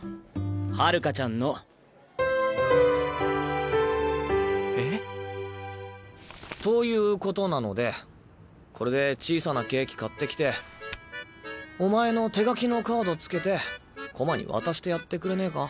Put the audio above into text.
春夏ちゃんの！え？という事なのでこれで小さなケーキ買って来てお前の手書きのカードつけて駒に渡してやってくれねぇか。